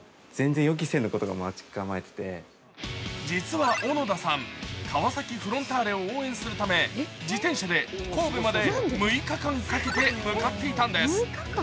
実は小野田さん、川崎フロンターレを応援するため、自転車で神戸まで６日間かけて向かっていたんです。